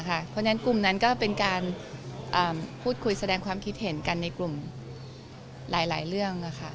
เพราะฉะนั้นกลุ่มนั้นก็เป็นการพูดคุยแสดงความคิดเห็นกันในกลุ่มหลายเรื่อง